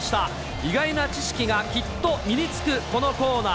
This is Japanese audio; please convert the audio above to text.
意外な知識がきっと身につくこのコーナー。